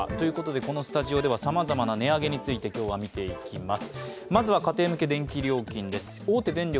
このスタジオではさまざまな値上げについて今日は見ていきます。